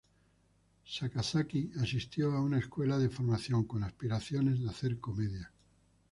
Sakazaki asistió a una escuela de formación con aspiraciones de hacer comedia.